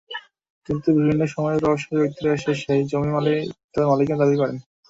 কিন্তু বিভিন্ন সময়ে প্রভাবশালী ব্যক্তিরা এসে সেই জমি তাঁদের মালিকানা দাবি করেন।